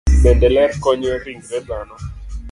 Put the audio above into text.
Bende, ler konyo ringre dhano.